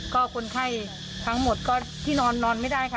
ก็คนไข้ทั้งหมดก็ที่นอนนอนไม่ได้ค่ะ